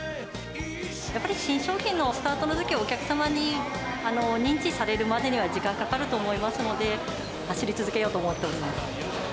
やっぱり新商品のスタートのときは、お客様に認知されるまでには時間かかると思いますので、走り続けようと思っております。